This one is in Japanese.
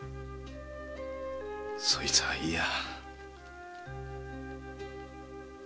そいつはいいや。